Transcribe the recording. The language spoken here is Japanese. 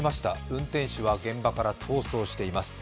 運転手は現場から逃走しています。